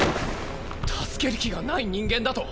助ける気がない人間だと？